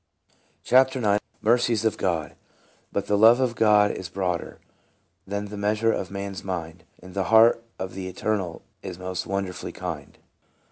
CHAPTER IX. MERCIES OF GOD. " But the love of God is hroader Than the measure of man's mind; And the heart of the Eternal Is most wonderfully kind."